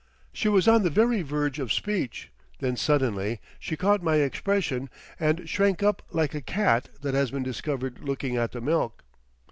She was on the very verge of speech. Then suddenly she caught my expression, and shrank up like a cat that has been discovered looking at the milk.